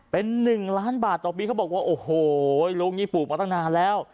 เป็น๑ล้านบาทต่อปีเขาบอกว่าโอ้โหลุงนี่ปลูกมาตั้งนานแล้ว